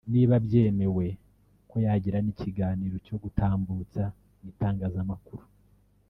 niba byemewe ko yagirana ikiganiro cyo gutambutsa mu itangazamakuru «